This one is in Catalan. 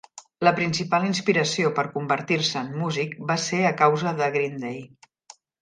La principal inspiració per convertir-se en músic va ser a causa de Green Day.